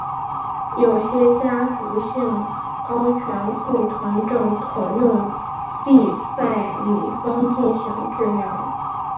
有些家族性高醛固酮症可用地塞米松进行治疗。